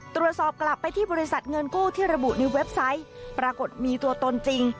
ตรวจสอบกลับไปที่บริษัทเงินกู้ที่ระบุในเว็บไซต์ปรากฏมีตัวตนจริง